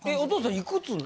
いくつなの？